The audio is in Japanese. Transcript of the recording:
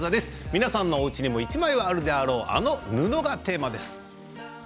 皆さんの家でも１枚はあるであろうあの布がテーマです。